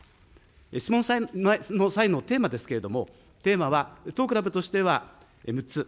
質問の際のテーマですけれども、テーマは当クラブとしては６つ。